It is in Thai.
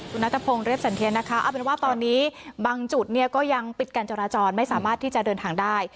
คุณนัทพงศ์เรียบสันเทียนนะคะเอาเป็นว่าตอนนี้บางจุดเนี่ยก็ยังปิดการจราจรไม่สามารถที่จะเดินทางได้